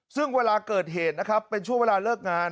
ซึ่งเวลาเกิดเหตุนะครับเป็นช่วงเวลาเลิกงาน